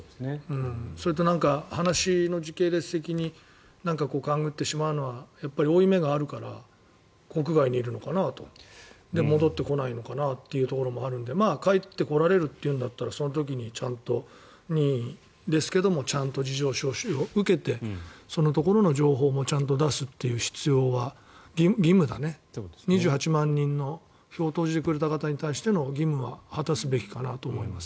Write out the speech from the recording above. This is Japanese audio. それと、話の時系列的に勘繰ってしまうのは負い目があるから国外にいるのかなとで、戻ってこないのかなっていうところもあるので帰ってこられるというんだったらちゃんとその時に、任意ですけどちゃんと事情聴取を受けてそのところの情報もちゃんと出すという必要は義務だね２８万人の票を投じてくれた方に対しての義務は果たすべきかなと思います。